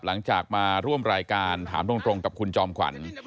หลังจากมาร่วมรายการถามตรงกับคุณจอมขวัญ